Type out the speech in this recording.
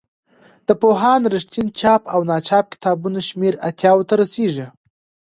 د پوهاند رښتین چاپ او ناچاپ کتابونو شمېر اتیاوو ته رسیږي.